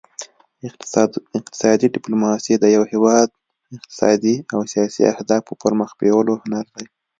اقتصادي ډیپلوماسي د یو هیواد اقتصادي او سیاسي اهدافو پرمخ بیولو هنر دی